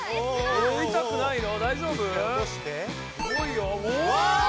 あれいたくないの？